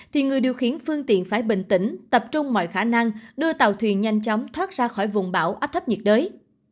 thì người điều khiển phương tiện phải bình tĩnh tập trung mọi khả năng đưa tàu thuyền nhanh chóng thoát ra khỏi vùng bão áp thấp nhiệt đới